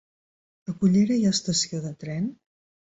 A Cullera hi ha estació de tren?